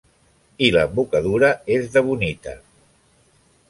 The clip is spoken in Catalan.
I l'embocadura és d'ebonita.